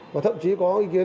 và thậm chí có ý kiến